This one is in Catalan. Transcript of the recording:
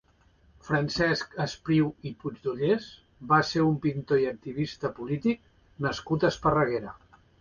Francesc Espriu i Puigdollers va ser un pintor i activista polític nascut a Esparreguera.